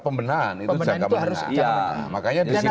pembinaan itu harus jangka pendek